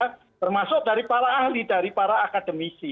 termasuk dari para ahli dari para akademisi